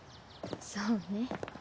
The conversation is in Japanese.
そうね。